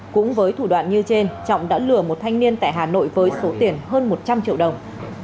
cũng với thủ đoạn như trên trọng đã lừa một thanh niên tại hà nội với số tiền hơn một trăm linh triệu đồng